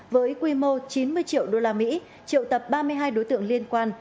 với quy mô chín mươi triệu usd triệu tập ba mươi hai đối tượng liên quan